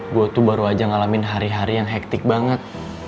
gue tuh baru aja ngalamin hari hari yang hektik banget